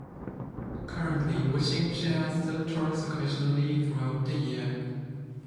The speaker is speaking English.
Currently, Wishing Chair still tours occasionally throughout the year.